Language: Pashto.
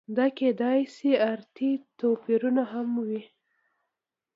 دا کېدای شي ارثي توپیرونه هم وي.